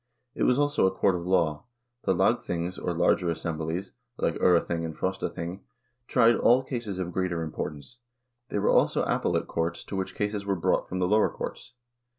It was also a court of law. The lagthings or larger assemblies, like J3rething and Frostathing, tried all cases of greater importance; they were also appellate courts to which cases were brought from the lower courts.